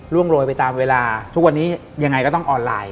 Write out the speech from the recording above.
โรยไปตามเวลาทุกวันนี้ยังไงก็ต้องออนไลน์